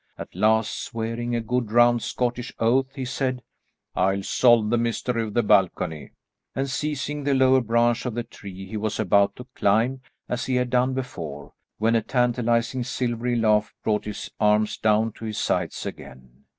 At last, swearing a good round Scottish oath he said, "I'll solve the mystery of the balcony," and seizing the lower branch of the tree, he was about to climb as he had done before, when a tantalizing silvery laugh brought his arms down to his sides again.